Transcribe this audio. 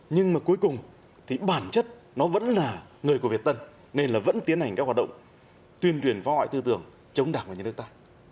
nhưng mà cuối cùng thì bản chất nó vẫn là người của việt tân nên là vẫn tiến hành các hoạt động tuyên truyền phá hoại tư tưởng chống đảng và nhân nước ta